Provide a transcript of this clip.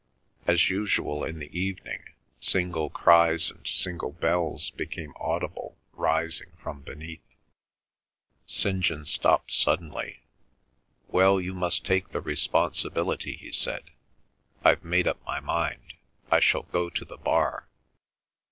As usual in the evening, single cries and single bells became audible rising from beneath. St. John stopped suddenly. "Well, you must take the responsibility," he said. "I've made up my mind; I shall go to the Bar."